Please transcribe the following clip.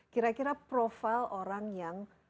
kira kira profil orang yang